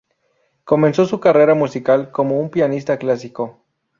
Comenzó su carrera musical como un pianista clásico.